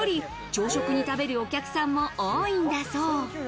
朝食に食べるお客さんも多いんだそう。